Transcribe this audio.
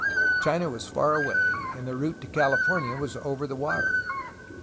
China was far away, and the route to CaU fornia was over the water.